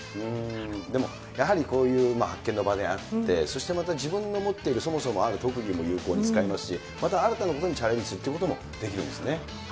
でもやはりこういう派遣の場であって、そしてまた自分の持っている、そもそもある特技も有効に使えますし、また新たなことにチャレンジするということもできるんですね。